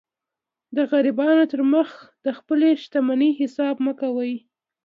د غریبانو تر مخ د خپلي شتمنۍ حساب مه کوئ!